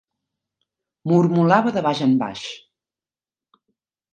Mormolava de baix en baix